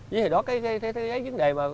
với thế đó cái vấn đề mà